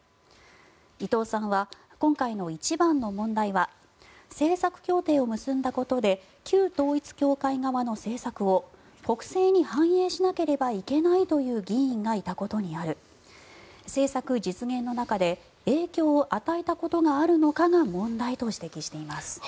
伊藤さんは今回の一番の問題は政策協定を結んだことで旧統一教会側の政策を国政に反映しなければいけないという議員がいたことになる政策実現の中で影響を与えたことがあるのかが問題と指摘しています。